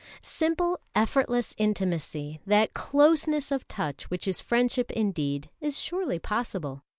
Simple, effortless intimacy, that closeness of touch which is friendship indeed, is surely possible.